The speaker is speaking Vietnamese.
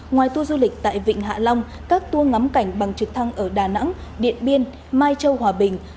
ngoài tour du lịch tại vịnh hạ long các tour ngắm cảnh bằng trực thăng ở đà nẵng điện biên mai châu hòa bình